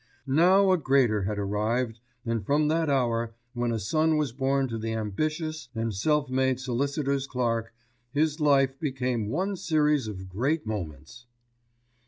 Now a greater had arrived, and from that hour, when a son was born to the ambitious and self made solicitor's clerk, his life became one series of great moments.